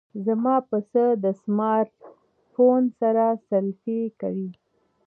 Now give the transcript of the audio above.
زما پسه د سمارټ فون سره سیلفي کوي.